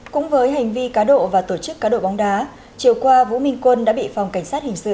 cũng với hành vi cá độ và tổ chức cá độ bóng đá chiều qua vũ minh quân đã bị phòng cảnh sát hình sự